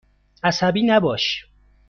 عصبی نباش.